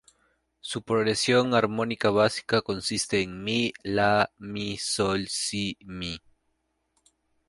Su progresión armónica básica consiste en "mi-la-mi-sol-si-mi".